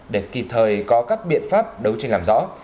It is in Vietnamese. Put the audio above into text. để kịp thời có các biện pháp đấu tranh làm rõ